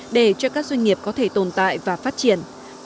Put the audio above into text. để cho các doanh nghiệp có thể tồn tại và phát triển